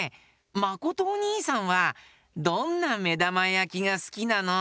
まことおにいさんはどんなめだまやきがすきなの？